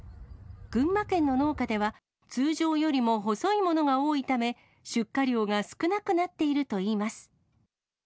群馬県の農家では、通常よりも細いものが多いため、出荷量が少なくなっているといいます。